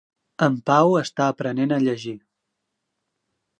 En Pau està aprenent a llegir.